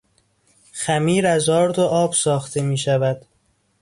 خمیر از آرد و آب ساخته میشود.